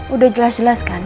udah jelas jelas kan